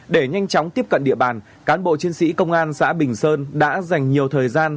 để nhanh chóng tiếp cận địa bàn cán bộ chiến sĩ công an xã bình sơn đã dành nhiều thời gian